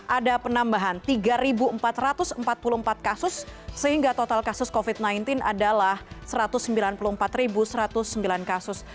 ada penambahan tiga empat ratus empat puluh empat kasus sehingga total kasus covid sembilan belas adalah satu ratus sembilan puluh empat satu ratus sembilan kasus